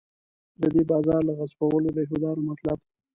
د دې بازار له غصبولو د یهودانو مطلب.